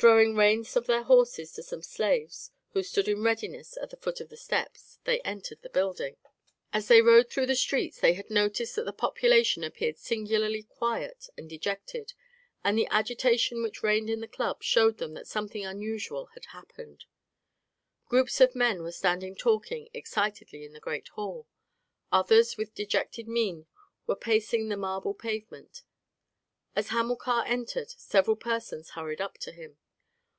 Throwing the reins of their horses to some slaves who stood in readiness at the foot of the steps, they entered the building. As they rode through the streets they had noticed that the population appeared singularly quiet and dejected, and the agitation which reigned in the club showed them that something unusual had happened. Groups of men were standing talking excitedly in the great hall. Others with dejected mien were pacing the marble pavement. As Hamilcar entered, several persons hurried up to him.